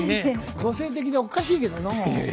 個性的でおっかしいけどな。